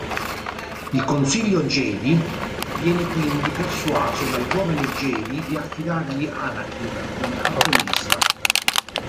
Il Consiglio Jedi viene quindi persuaso dal giovane Jedi di affidargli Anakin come apprendista.